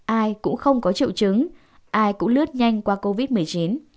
ai cũng không có triệu chứng ai cũng lướt nhanh qua covid một mươi chín